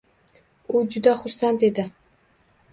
U juda xursand edi.